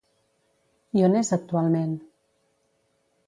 I on és actualment?